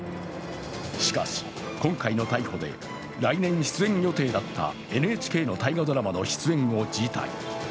しかし、今回の逮捕で来年出演予定だったＮＨＫの大河ドラマの出演を辞退。